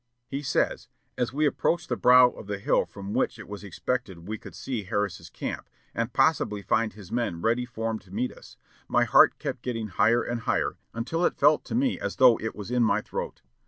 He says: "As we approached the brow of the hill from which it was expected we could see Harris' camp, and possibly find his men ready formed to meet us, my heart kept getting higher and higher until it felt to me as though it was in my throat.